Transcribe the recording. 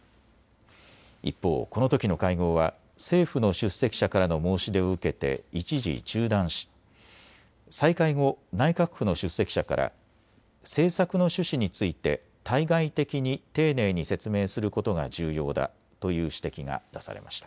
一方、このときの会合は政府の出席者からの申し出を受けて一時、中断し再開後、内閣府の出席者から政策の趣旨について対外的に丁寧に説明することが重要だという指摘が出されました。